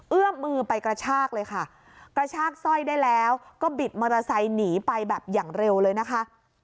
เอื้อมมือไปกระชากเลยค่ะกระชากสร้อยได้แล้วก็บิดมอเตอร์ไซค์หนีไปแบบอย่างเร็วเลยนะคะ